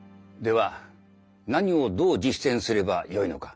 では何をどう実践すればよいのか。